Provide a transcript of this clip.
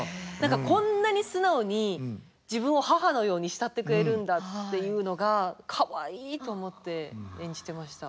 こんなに素直に自分を母のように慕ってくれるんだっていうのがかわいいと思って演じてました。